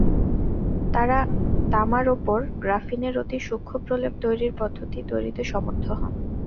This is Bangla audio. তাঁরা তামার ওপর গ্রাফিনের অতি সূক্ষ্ম প্রলেপ তৈরির পদ্ধতি তৈরিতে সমর্থ হন।